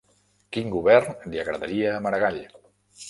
Quin govern li agradaria a Maragall?